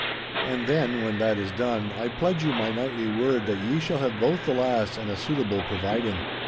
And then, when that is done, I pledge you my knightly word that ye shall have both the lass and a suitable providing.